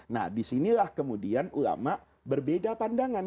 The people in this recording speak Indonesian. nah disinilah kemudian ulama berbeda pandangan